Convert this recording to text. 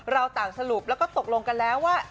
เราต่างสรุปแล้วก็ตกลงกันแล้วว่า